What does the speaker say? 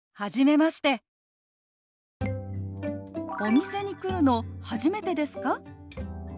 「お店に来るの初めてですか？」。